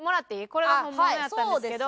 これが本物やったんですけど。